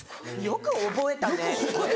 よく覚えたな。